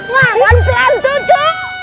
pelan pelan tuh cu